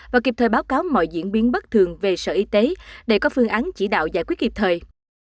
và kịp thời báo cáo mọi diễn biến bất thường về sở y tế để có phương án chỉ đạo giải quyết kịp thời